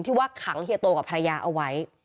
ว่าขังเฮียโตกับภรรยาเอาไว้